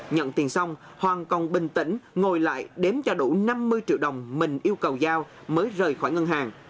nhận tiền xong hoàng còn bình tĩnh ngồi lại đếm cho đủ năm mươi triệu đồng mình yêu cầu giao mới rời khỏi ngân hàng